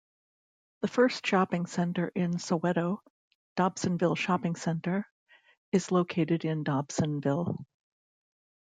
The first shopping centre in Soweto, Dobsonville Shopping Centre, is located in Dobsonville.